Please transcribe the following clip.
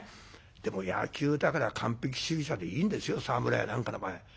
でも野球だから完璧主義者でいいんですよ沢村やなんかの場合。